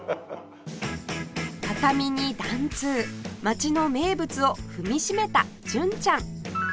たた味に緞通街の名物を踏みしめた純ちゃん